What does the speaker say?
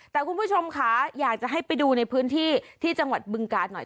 แต่คุณผู้ชมค่ะอยากจะให้ไปดูในพื้นที่ที่จังหวัดบึงกาลหน่อย